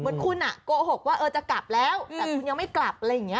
เหมือนคุณโกหกว่าจะกลับแล้วแต่คุณยังไม่กลับอะไรอย่างนี้